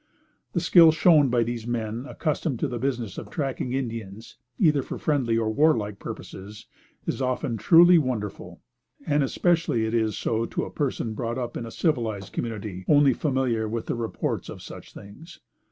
The skill shown by men accustomed to the business of tracking Indians, either for friendly or warlike purposes, is oftentimes truly wonderful, and especially is it so to a person brought up in a civilized community, only familiar with the reports of such things.